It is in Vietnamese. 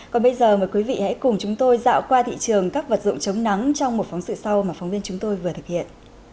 còn bây giờ mời quý vị hãy cùng chúng tôi dạo qua thị trường các vật dụng chống nắng trong một phóng sự sau mà phóng viên chúng tôi vừa thực hiện